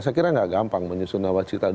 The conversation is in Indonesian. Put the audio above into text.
saya kira tidak gampang menyusun nawacita dua